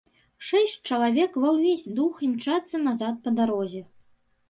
Шэсць чалавек ва ўвесь дух імчацца назад па дарозе.